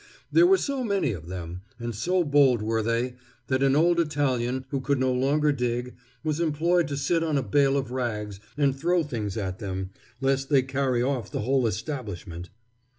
There were so many of them, and so bold were they, that an old Italian who could no longer dig was employed to sit on a bale of rags and throw things at them, lest they carry off the whole establishment.